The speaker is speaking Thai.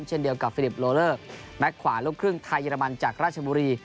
เช่นเดียวกับฟิลิปโลเลอร์แม็กขวาลูกครึ่งไทยเรมันจากราชบุรี